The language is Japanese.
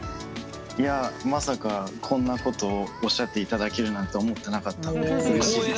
いやまさかこんなことおっしゃっていただけるなんて思ってなかったのでうれしいです。